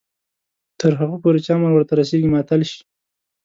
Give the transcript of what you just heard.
تر هغو پورې چې امر ورته رسیږي معطل شي.